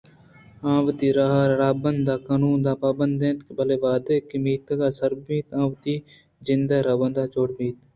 آوتی راہ ءُرَہبندءُقانود ءِ پابند اَنت بلئے وہدے کہ میتگ ءَ سر بنت آوانی وتی جند ءِرَہبند جوڑ بنت